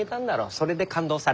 それで勘当された。